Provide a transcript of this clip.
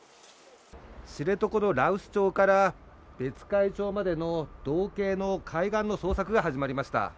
知床の羅臼町から別海町までの道警の海岸の捜索が始まりました。